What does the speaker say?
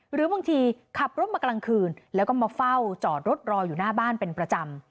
หรือบางทีขับรถมากลางคืนแล้วก็มาเฝ้าจอดรถรออยู่หน้าบ้านเป็นประจำ